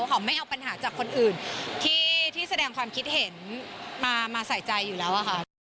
หอมไม่เอาปัญหาจากคนอื่นที่แสดงความคิดเห็นมาใส่ใจอยู่แล้วค่ะ